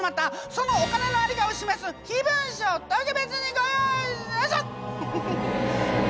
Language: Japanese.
そのお金のありかを示す秘文書を特別にご用意しました！